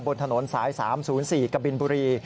บนถนนสาย๓๐๔กบินบุรี